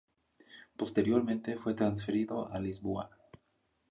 Posteriormente fue transferido a Lisboa.